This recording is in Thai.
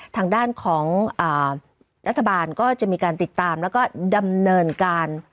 ทางด้านของรัฐบาลก็จะมีการติดตามแล้วก็ดำเนินการ